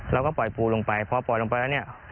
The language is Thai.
เราก็ปล่อยปูลงไปพอปล่อยลงไปแล้วเนี่ย